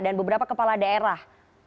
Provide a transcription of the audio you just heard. dan beberapa kepala daerah